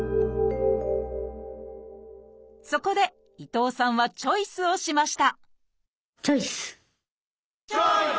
そこで伊藤さんはチョイスをしましたチョイス！